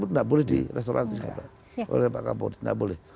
tidak boleh di restoran